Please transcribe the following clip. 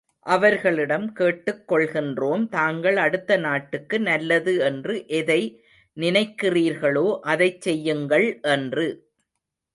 அவர்களிடம் கேட்டுக் கொள்கின்றோம் தாங்கள் அடுத்து நாட்டுக்கு நல்லது என்று எதை நினைக்கிறீர்களோ அதைச் செய்யுங்கள் என்று!